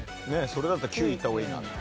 それだったら９位いった方がいいな。